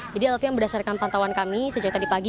jadi alvian berdasarkan pantauan kami sejak tadi pagi